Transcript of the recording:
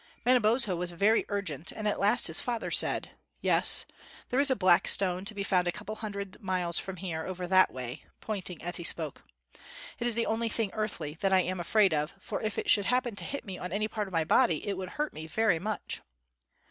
Manabozho was very urgent, and at last his father said: "Yes, there is a black stone to be found a couple of hundred miles from here, over that way," pointing as he spoke. "It is the only thing earthly that I am afraid of, for if it should happen to hit me on any part of my body it would hurt me very much."